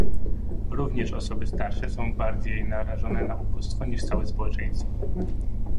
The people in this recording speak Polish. Również osoby starsze są bardziej narażone na ubóstwo niż całe społeczeństwo